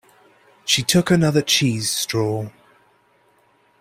She took another cheese straw.